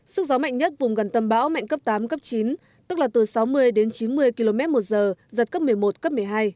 sức gió mạnh nhất vùng gần tâm bão mạnh cấp tám cấp chín tức là từ sáu mươi đến chín mươi km một giờ giật cấp một mươi một cấp một mươi hai